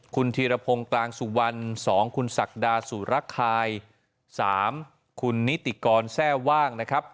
คุณธีรพงศ์กลางสุวรรณ๒คุณศักดาสุรคาย๓คุณนิติกรแทร่ว่างนะครับ